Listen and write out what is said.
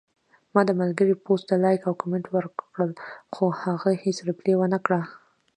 ما د ملګري پوسټ ته لایک او کمنټ ورکړل، خو هغه هیڅ ریپلی ونکړه